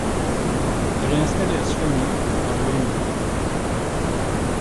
Elle est installée à Soignies dans le Hainaut.